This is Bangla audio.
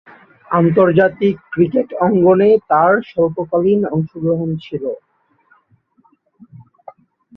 আন্তর্জাতিক ক্রিকেট অঙ্গনে তার স্বল্পকালীন অংশগ্রহণ ছিল।